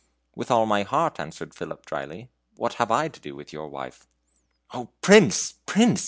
"With all my heart," answered Philip, dryly; "what have I to do with your wife?" "O Prince, Prince!"